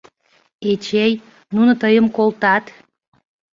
Эчей, нуно тыйым колтат...